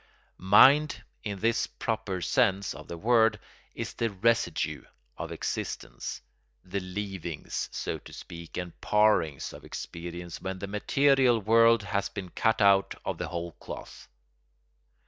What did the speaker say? Mind, in this proper sense of the word, is the residue of existence, the leavings, so to speak, and parings of experience when the material world has been cut out of the whole cloth.